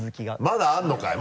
まだあるのかい？